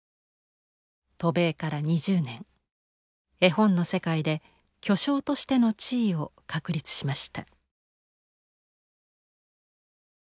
渡米から２０年絵本の世界で巨匠としての地位を確立しました。